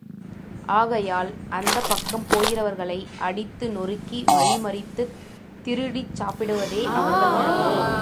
ஆகையால் அந்தப் பக்கம் போகிறவர்களை அடித்து நொறுக்கி வழி மறித்துத் திருடிச் சாப்பிடுவதே அவர்கள் வழக்கம்.